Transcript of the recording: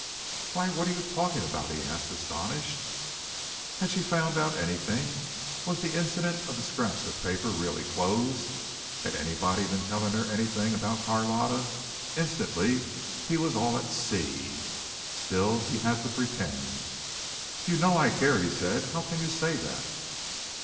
"Why, what are you talking about?" he asked, astonished. Had she found out anything? Was the incident of the scraps of paper really closed? Had anybody been telling her anything about Carlotta? Instantly he was all at sea. Still he had to pretend. "You know I care," he said. "How can you say that?"